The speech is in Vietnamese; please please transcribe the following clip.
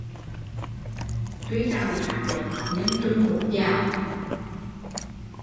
Tuy rằng khác giống nhưng chung một chàng